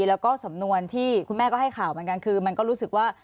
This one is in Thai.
แล้วก็สำนวนที่คุณแม่ก็ให้ข่าวเหมือนกันคือมันก็รู้สึกว่า